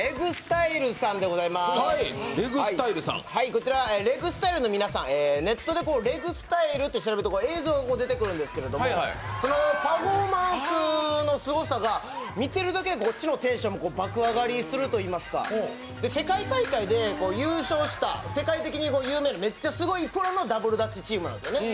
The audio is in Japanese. こちら、ＲＥＧ☆ＳＴＹＬＥの皆さん、ネットでＲＥＧ☆ＳＴＹＬＥと調べると映像が出てくるんですけれども、このパフォーマンスのすごさが見てるだけでこっちもテンションが爆上がりするといいますか世界大会で優勝した、世界的に有名なめっちゃすごいプロのダブルダッチユニットなんですね。